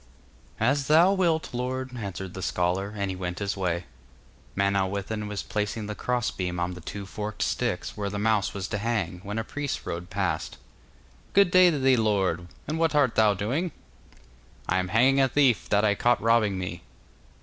'As thou wilt, lord,' answered the scholar, and he went his way. Manawyddan was placing the cross beam on the two forked sticks, where the mouse was to hang, when a priest rode past. 'Good day to thee, lord; and what art thou doing?' 'I am hanging a thief that I caught robbing me.